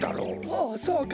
ああそうか。